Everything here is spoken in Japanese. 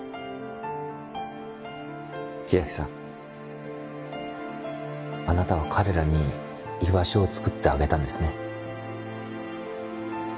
木崎さんあなたは彼らに居場所を作ってあげたんですね。